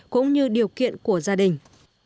cũng như điều kiện của gia đình